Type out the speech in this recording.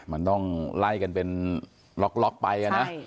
มันต้องไล่กันเป็นล็อกไปนะ